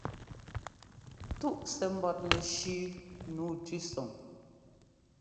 Túꞌ sɛ́ ḿbɔ́tnɛ shʉ́ nǔu tʉ́sɔŋ.